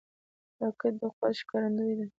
راکټ د قوت ښکارندوی ده